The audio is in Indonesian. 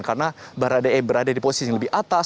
karena baradae berada di posisi yang lebih atas